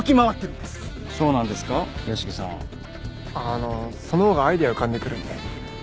あのそのほうがアイデア浮かんでくるんで。